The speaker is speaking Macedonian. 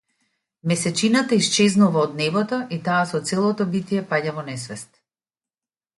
Месечината исчезнува од небото, и таа со целото битие паѓа во несвест.